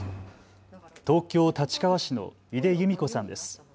東京立川市の井出由美子さんです。